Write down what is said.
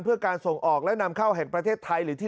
เพื่อการส่งออกและนำเข้าแห่งประเทศไทยหรือที่